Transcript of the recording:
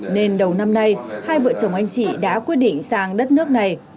nên đầu năm nay hai vợ chồng anh chị đã quyết định sang đất nước này